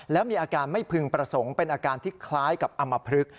แล้วมีอาการไม่พึงประสงค์เป็นอาการที่คล้ายกับอำมพลึก